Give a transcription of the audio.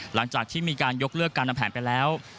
หลังจากที่มีการยกเลิกการทำแผนไปแล้ว